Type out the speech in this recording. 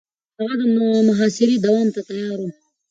هغه د محاصرې دوام ته تيار و.